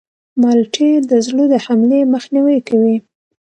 مالټې د زړه د حملې مخنیوی کوي.